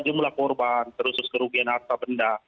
jumlah korban terus kerugian harta benda